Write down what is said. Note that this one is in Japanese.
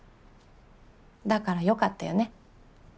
だからよかったよね。